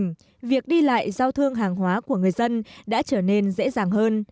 nhưng việc đi lại giao thương hàng hóa của người dân đã trở nên dễ dàng hơn